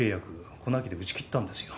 この秋で打ち切ったんですよ。